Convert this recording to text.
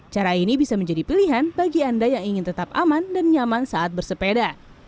cara ini bisa menjadi pilihan bagi anda yang ingin tetap aman dan nyaman saat bersepeda